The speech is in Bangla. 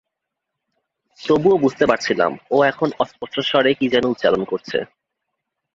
তবুও বুঝতে পারছিলাম, ও এখন অস্পষ্ট স্বরে কী যেন উচ্চারণ করছে।